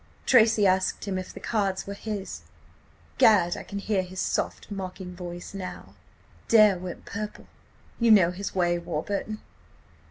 "Tracy asked him if the cards were his. Gad! I can hear his soft, mocking voice now! "Dare went purple–you know his way, Warburton.